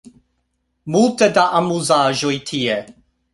Multe da amuzaĵoj tie